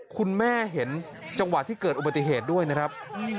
คุณแม่เห็นจังหวะที่เกิดอุบัติเหตุด้วยนะครับ